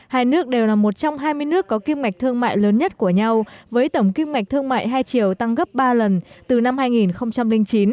hai nước đều là một trong hai mươi nước có kim ngạch thương mại lớn nhất của nhau với tổng kinh mạch thương mại hai triệu tăng gấp ba lần từ năm hai nghìn chín